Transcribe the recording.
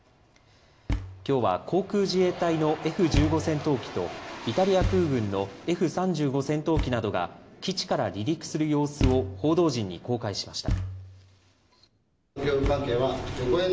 きょうは航空自衛隊のＦ１５戦闘機とイタリア空軍のＦ３５戦闘機などが基地から離陸する様子を報道陣に公開しました。